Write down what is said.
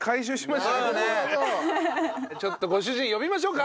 ちょっとご主人呼びましょうか。